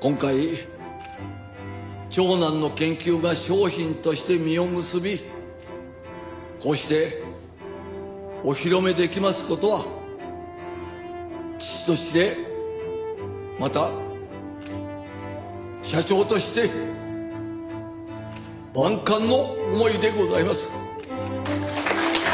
今回長男の研究が商品として実を結びこうしてお披露目できます事は父としてまた社長として万感の思いでございます。